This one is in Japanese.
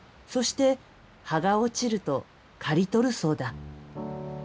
そして葉が落ちると刈り取るそうだ。